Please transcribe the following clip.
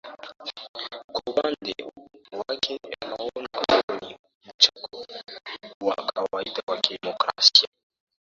kwa upande wake anaona huo ni mchakato wa kawaida wa demoskrasia